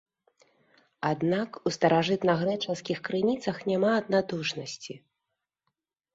Аднак у старажытнагрэчаскіх крыніцах няма аднадушнасці.